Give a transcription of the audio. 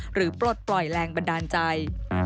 ปลดปล่อยแรงบันดาลใจ